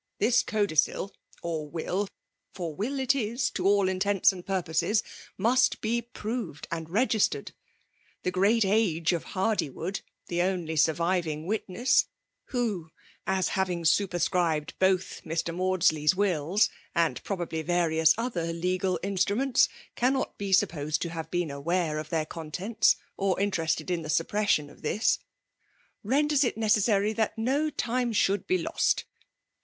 This codicil^ or will, — for will it is, to all in tents and purposes, — must be proved and registered. The great age of Hardywood, the only surviving witness (who, as having superscribed both Mr. Maudsley's wills, and probably various other legal instruments, can * not be supposed to have been aware of their contents, or interested in the suppression of tfaiB), renders it necessary that no time should be lost.